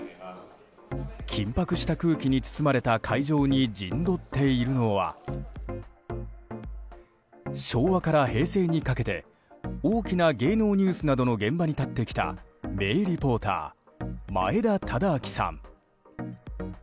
緊迫した空気に包まれた会場に陣取っているのは昭和から平成にかけて大きな芸能ニュースなどの現場に立ってきた名リポーター、前田忠明さん。